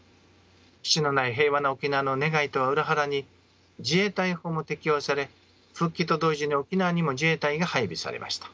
基地のない平和な沖縄の願いとは裏腹に自衛隊法も適用され復帰と同時に沖縄にも自衛隊が配備されました。